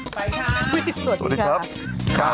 กัมมี่สวัสดีครับ